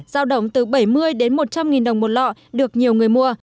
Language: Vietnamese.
giao động từ bảy mươi đến một trăm linh nghìn đồng một lọ được nhiều người mua